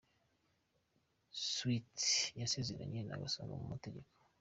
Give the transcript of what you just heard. Sweety yasezeranye na Gasongo mu mategeko.